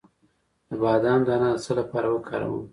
د بادام دانه د څه لپاره وکاروم؟